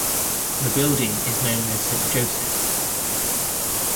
The building is known as Saint Joseph's.